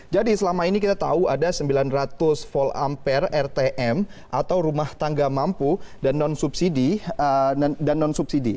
jadi selama ini kita tahu ada sembilan ratus v ampere rtm atau rumah tangga mampu dan non subsidi